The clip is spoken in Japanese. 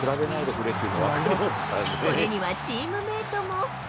これにはチームメートも。